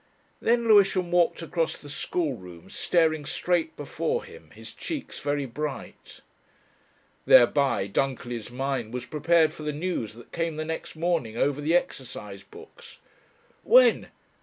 Then Lewisham walked across the schoolroom, staring straight before him, his cheeks very bright. Thereby Dunkerley's mind was prepared for the news that came the next morning over the exercise books. "When?"